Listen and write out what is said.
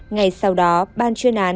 ngày sau đó ban truyền thống